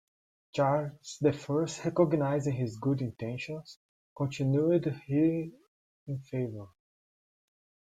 Charles the First, recognising his good intentions, continued him in favour.